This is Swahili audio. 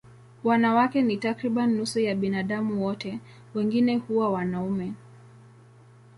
Wanawake ni takriban nusu ya binadamu wote, wengine huwa wanaume.